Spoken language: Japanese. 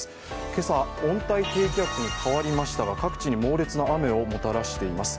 今朝、温帯低気圧に変わりましたが各地に猛烈な雨をもたらしています。